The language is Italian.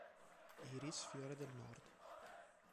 Iris fiore del nord